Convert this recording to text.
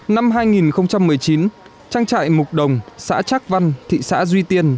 năm hai nghìn một mươi chín trang trại mục đồng xã trác văn thị xã duy tiên